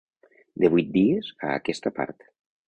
De vuit dies a aquesta part.